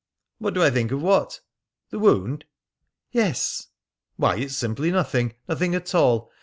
"What do I think of what? The wound?" "Yes." "Why, it's simply nothing. Nothing at all.